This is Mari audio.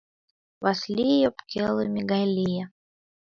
Васлий ӧпкелыме гай лие: